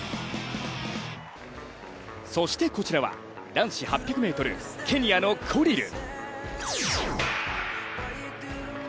そしてこちらは、男子８００ｍ、ケニアのコリル。